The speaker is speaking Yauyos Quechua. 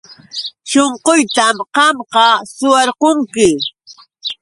Shunquytam qamqa suwarqunki.